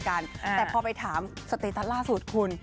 แต่พอไปถามสเตตัสล่าสุดคุณ